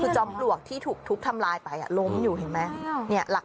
คือจอมปลวกที่ถูกทุบทำลายไปล้มอยู่เห็นไหม